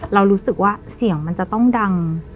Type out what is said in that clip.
เรารู้สึกว่าเสียงมันจะต้องดัง